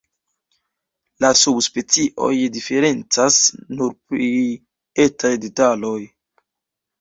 La subspecioj diferencas nur pri etaj detaloj.